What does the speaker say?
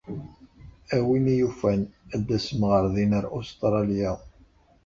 A win yufan ad d-tasem ɣer Ustṛalya.